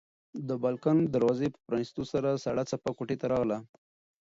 د بالکن د دروازې په پرانیستلو سره سړه څپه کوټې ته راغله.